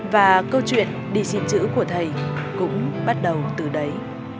và câu chuyện đi xin chữ của thầy cũng bắt đầu từ đấy